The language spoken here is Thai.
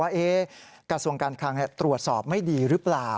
กระทรวงการคลังตรวจสอบไม่ดีหรือเปล่า